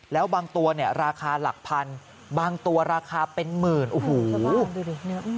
แล้วบางตัวเนี่ยราคาหลักพันบางตัวราคาเป็นหมื่นโอ้โหดูดิ